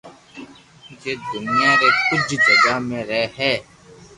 جي دنيا ري ڪجھ جگہ مي رھي ھي